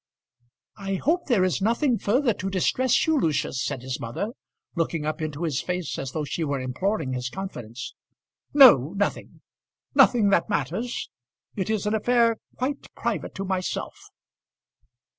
"I hope there is nothing further to distress you, Lucius," said his mother, looking up into his face as though she were imploring his confidence. "No, nothing; nothing that matters. It is an affair quite private to myself."